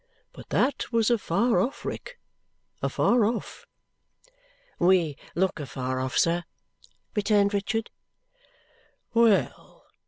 But that was afar off, Rick, afar off!" "We look afar off, sir," returned Richard. "Well!"